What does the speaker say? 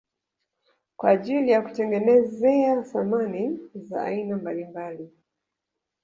Kwa ajili ya kutengenezea samani za aina mbalimbali